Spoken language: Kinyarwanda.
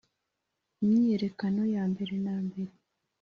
imyiyerekano yambere na mbere